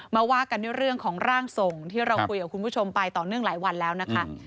ว่ากันด้วยเรื่องของร่างทรงที่เราคุยกับคุณผู้ชมไปต่อเนื่องหลายวันแล้วนะคะ